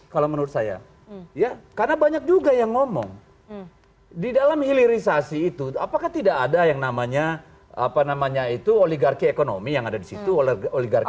kalau menurut saya ya karena banyak juga yang ngomong di dalam hilirisasi itu apakah tidak ada yang namanya apa namanya itu oligarki ekonomi yang ada di situ oligarki